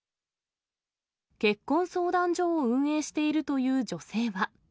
結婚相談所を運営しているという女性は。